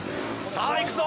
さあいくぞ